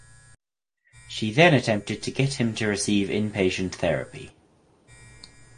She then attempted to get him to receive inpatient therapy.